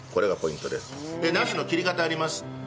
ナスの切り方あります。